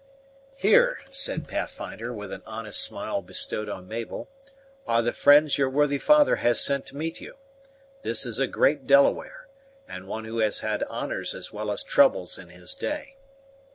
"Here," said Pathfinder, with an honest smile bestowed on Mabel, "are the friends your worthy father has sent to meet you. This is a great Delaware; and one who has had honors as well as troubles in his day.